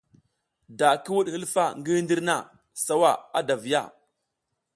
Da ki wuɗ hilfa ngi hindir na, sawa ada a viya.